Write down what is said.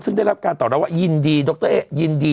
ซึ่งได้รับการตอบแล้วว่ายินดี